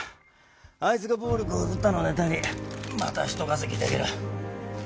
あいつが暴力を振るったのをネタにまたひと稼ぎできる。